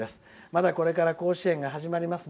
またこれから甲子園が始まります。